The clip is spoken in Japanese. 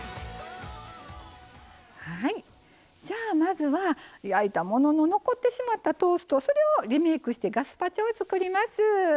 まずは、焼いたものの残ってしまったトーストをリメイクしてガスパチョを作ります。